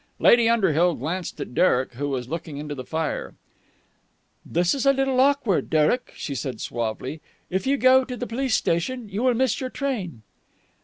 Lady Underhill glanced at Derek, who was looking into the fire. "This is a little awkward, Derek," she said suavely. "If you go to the police station, you will miss your train."